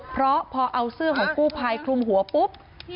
เพราะพอเอาเสื้อของกู้ภัยคลุมหัวปุ๊บ